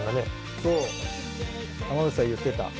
そう濱口さん言ってた。